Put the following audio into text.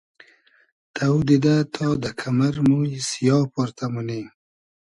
تۆ دیدۂ تا دۂ کئمئر مویی سیا پۉرتۂ مونی